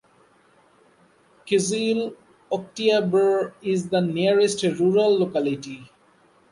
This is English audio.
Kyzyl Oktyabr is the nearest rural locality.